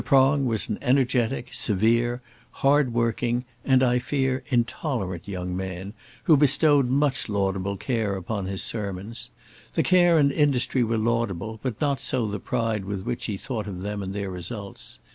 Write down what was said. Prong was an energetic, severe, hardworking, and, I fear, intolerant young man, who bestowed very much laudable care upon his sermons. The care and industry were laudable, but not so the pride with which he thought of them and their results.